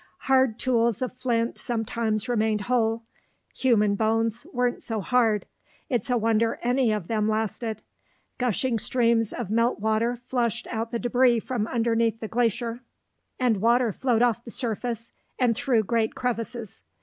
Hard tools of flint sometimes remained whole. Human bones weren't so hard; it's a wonder any of them lasted. Gushing streams of melt water flushed out the debris from underneath the glacier, and water flowed off the surface and through great crevasses.